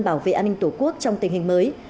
bảo vệ an ninh tổ quốc trong tình hình mới